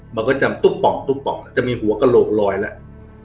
มันก็จะตุ๊บป่องตุ๊บป่องจะมีหัวกระโหลกลอยแล้วค่ะ